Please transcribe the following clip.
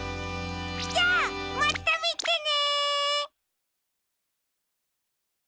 じゃあまたみてね！